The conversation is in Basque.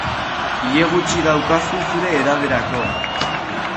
Ile gutxi daukazu, zure edaderako.